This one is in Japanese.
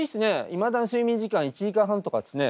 いまだに睡眠時間１時間半とかですね。